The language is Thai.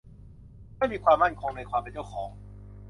ไม่มีความมั่นคงในความเป็นเจ้าของ